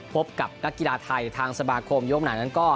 พบกับนักกีฬาไทยทางสมาคมยกไหนนั้นก็